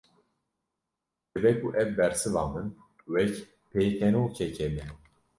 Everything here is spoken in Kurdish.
Dibe ku ev bersiva min, wek pêkenokekê be